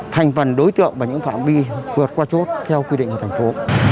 thành phần đối tượng và những phạm vi vượt qua chốt theo quy định của thành phố